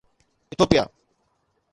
Ethiopia